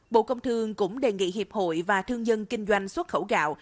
bộ công thương cũng đề nghị hiệp hội và thương dân kinh doanh xuất khẩu gạo